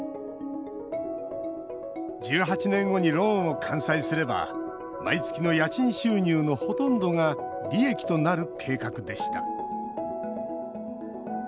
１８年後にローンを完済すれば毎月の家賃収入のほとんどが利益となる計画でした。